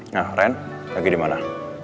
nah ren lagi dimana